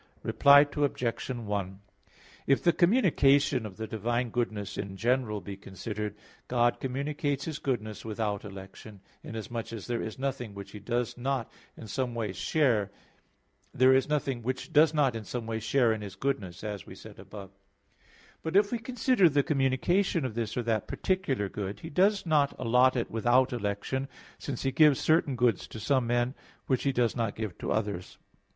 Reply Obj. 1: If the communication of the divine goodness in general be considered, God communicates His goodness without election; inasmuch as there is nothing which does not in some way share in His goodness, as we said above (Q. 6, A. 4). But if we consider the communication of this or that particular good, He does not allot it without election; since He gives certain goods to some men, which He does not give to others.